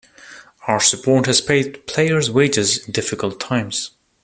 Our support has paid players' wages in difficult times.